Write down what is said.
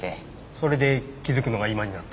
それで気づくのが今になって。